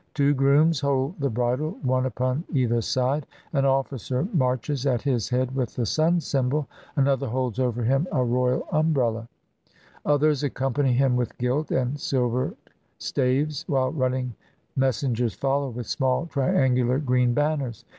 Two grooms hold the bridle, one upon either side; an officer marches at his head with the sun symbol; another holds over him a royal umbrella ; others accompany him with gilt and sil vered staves, while running messengers follow with small triangular green banners.